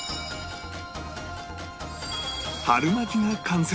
春巻きが完成